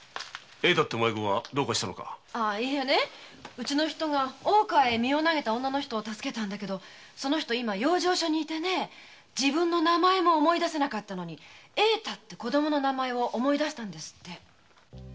うちの人が大川に身を投げた女の人を助けたんだけどその人今養生所にいてね自分の名前も思い出せなかったのに栄太って子供の名前を思い出したんですって。